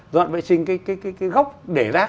dọn vệ sinh cái góc để rác